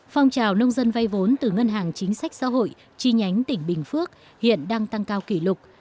phong trào nông dân vay vốn từ ngân hàng chính sách xã hội chi nhánh tỉnh bình phước hiện đang tăng cao kỷ lục